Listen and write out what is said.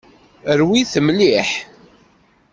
Rwi-t mliḥ.